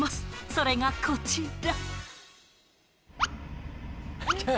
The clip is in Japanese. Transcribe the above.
それがこちら。